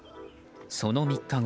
その３日後